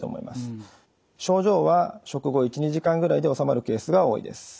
症状は食後１２時間ぐらいで治まるケースが多いです。